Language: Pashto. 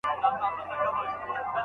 پرته له تاریخه ملتونه ورک کېږي.